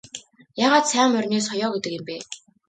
Яагаад сайн морины соёо гэдэг юм бэ?